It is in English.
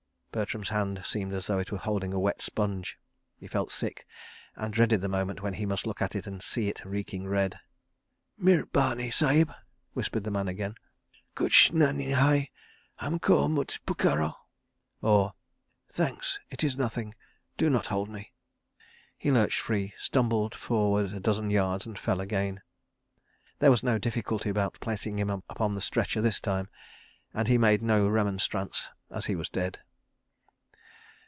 ... Bertram's hand seemed as though it were holding a wet sponge. He felt sick, and dreaded the moment when he must look at it and see it reeking red. "Mirhbani, Sahib," whispered the man again. "Kuch nahin hai. Hamko mut pukkaro." {134c} He lurched free, stumbled forward a dozen yards, and fell again. There was no difficulty about placing him upon the stretcher this time, and he made no remonstrance, as he was dead.